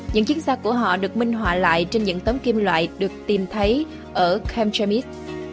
những chiến xa của họ được minh họa lại trên những tấm kim loại được tìm thấy ở khem jemis